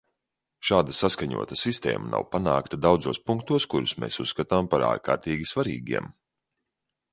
Šāda saskaņota sistēma nav panākta daudzos punktos, kurus mēs uzskatām par ārkārtīgi svarīgiem.